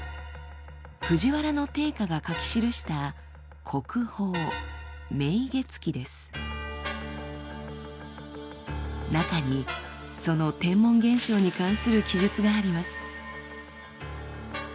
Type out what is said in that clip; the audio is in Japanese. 藤原定家が書き記した国宝中にその天文現象に関する記述があります。